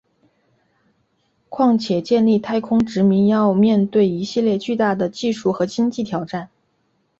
况且建立太空殖民要面对一系列巨大的技术和经济挑战。